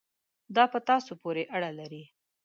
دا په تاسو پورې اړه لري.